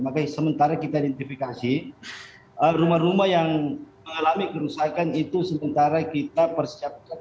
makanya sementara kita identifikasi rumah rumah yang mengalami kerusakan itu sementara kita persiapkan